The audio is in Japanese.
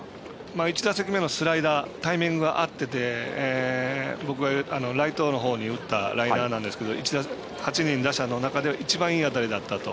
１打席目のスライダーにタイミングが合っていてライトのほうに打ったライナーですけど８人打者の中で一番いい当たりだったと。